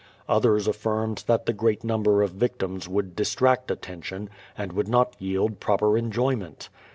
Others affirmed that the great num bT ber of victims would distract attention, and would not yield t' proper enjoyment.